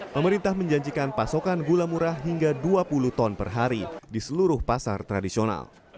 pemerintah menjanjikan pasokan gula murah hingga dua puluh ton per hari di seluruh pasar tradisional